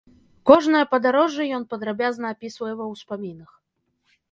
Кожнае падарожжа ён падрабязна апісвае ва ўспамінах.